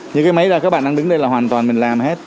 như cái máy đó các bạn đang đứng đây là hoàn toàn mình làm hết